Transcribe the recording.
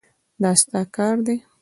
دا ستا کار دی.